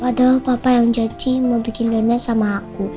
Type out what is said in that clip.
padahal papa yang janji mau bikin donat sama aku